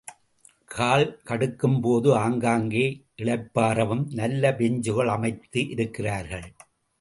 கால் கடுக்கும்போது ஆங்காங்கே, இளைப்பாறவும் நல்ல பெஞ்சுகள் அமைத்து இருக்கிறார்கள்.